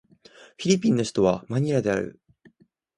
フィリピンの首都はマニラである